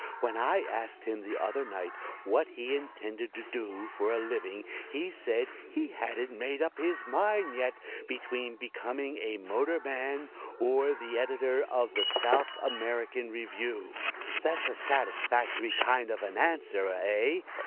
"When I asked him the other night what he intended to do for a living he said he hadn't made up his mind yet between becoming a motor man or the Editor of the South American Review. That's a satisfactory kind of an answer, eh?